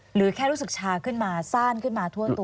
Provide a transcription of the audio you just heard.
หรือแค่รู้สึกชาขึ้นมาสั้นขึ้นมาทั่วตัว